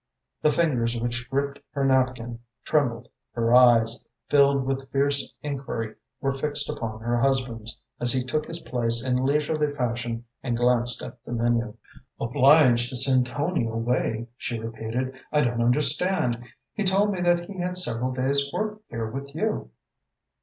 The fingers which gripped her napkin trembled. Her eyes, filled with fierce enquiry, were fixed upon her husband's as he took his place in leisurely fashion and glanced at the menu. "Obliged to send Tony away?" she repeated. "I don't understand. He told me that he had several days' work here with you."